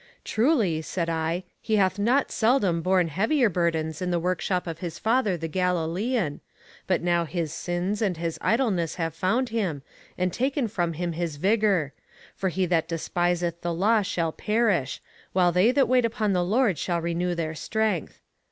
Truly, said I, he hath not seldom borne heavier burdens in the workshop of his father the Galilean, but now his sins and his idleness have found him, and taken from him his vigour; for he that despiseth the law shall perish, while they that wait upon the Lord shall renew their strength.